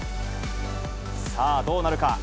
さあ、どうなるか。